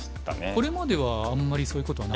これまではあんまりそういうことは。